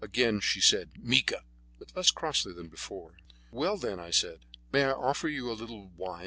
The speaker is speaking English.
Again she said "Mica!" but less crossly than before. "Well, then," I said, "may I offer you a little wine?